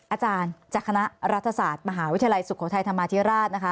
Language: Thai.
อาจารย์จากคณะรัฐศาสตร์มหาวิทยาลัยสุโขทัยธรรมาธิราชนะคะ